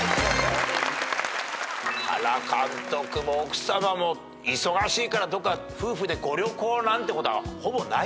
原監督も奥さまも忙しいからどっか夫婦でご旅行なんてことほぼないでしょ？